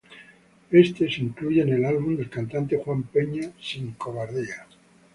Éste se incluye en el álbum del cantante Juan Peña "Sin cobardía".